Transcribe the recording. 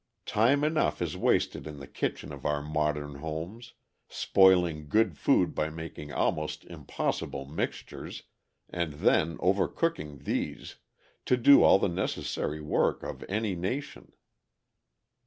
Time enough is wasted in the kitchen of our modern homes, spoiling good food by making almost impossible mixtures and then over cooking these, to do all the necessary work of any nation.